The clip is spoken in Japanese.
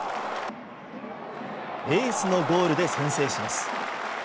エースのゴールで先制します。